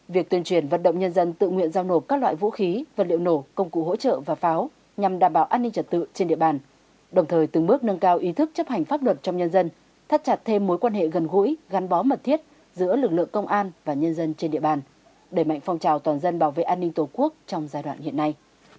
việc tuyên truyền vận động nhân dân tự nguyện giao nộp các loại vũ khí vật liệu nổ công cụ hỗ trợ và pháo nhằm đảm bảo an ninh trật tự trên địa bàn đồng thời từng bước nâng cao ý thức chấp hành pháp luật trong nhân dân thắt chặt thêm mối quan hệ gần gũi gắn bó mật thiết giữa lực lượng công an và nhân dân trên địa bàn đẩy mạnh phong trào toàn dân bảo vệ an ninh tổ quốc trong giai đoạn hiện nay